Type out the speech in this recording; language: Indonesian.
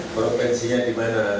provinsinya di mana